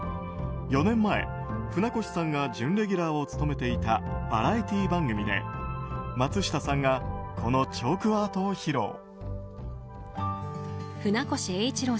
４年前、船越さんが準レギュラーを務めていたバラエティー番組で、松下さんがこのチョークアートを披露。